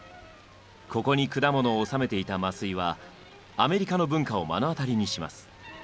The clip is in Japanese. ここに果物を納めていた増井はアメリカの文化を目の当たりにします。